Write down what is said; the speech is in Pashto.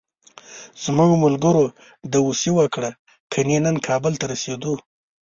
زموږ ملګرو داوسي وکړه، کني نن کابل ته رسېدلو.